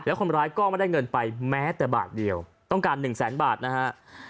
คนร้ายก็ไม่ได้เงินไปแม้แต่บาทเดียวต้องการหนึ่งแสนบาทนะฮะ